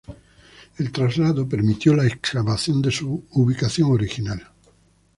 El traslado permitió la excavación de su ubicación original.